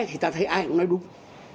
thì ta thấy ai cũng nói đúng